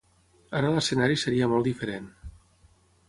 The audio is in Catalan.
Ara l'escenari seria molt diferent.